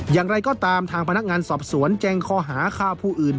อย่างไรก็ตามทางพนักงานสอบสวนแจ้งข้อหาฆ่าผู้อื่น